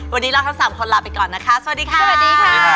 โปรดติดตามตอนต่อไป